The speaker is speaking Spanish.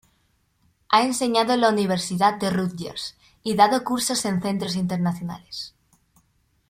Ha enseñado en la Universidad de Rutgers y dado cursos en centros internacionales.